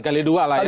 kali dua lah ya